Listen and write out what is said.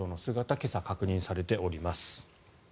今朝、確認されております。